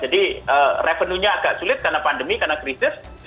jadi revenue nya agak sulit karena pandemi karena krisis